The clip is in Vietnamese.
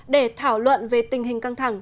để thảo luận về tình hình căng thẳng